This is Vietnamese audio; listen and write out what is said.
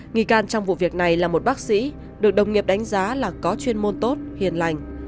nghi can trong vụ việc này là một bác sĩ được đồng nghiệp đánh giá là có chuyên môn tốt hiền lành